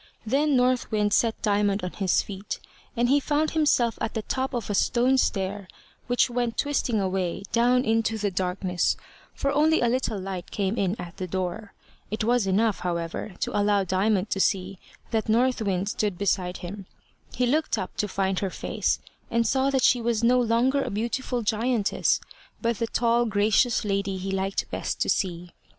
Then North Wind set Diamond on his feet, and he found himself at the top of a stone stair, which went twisting away down into the darkness for only a little light came in at the door. It was enough, however, to allow Diamond to see that North Wind stood beside him. He looked up to find her face, and saw that she was no longer a beautiful giantess, but the tall gracious lady he liked best to see.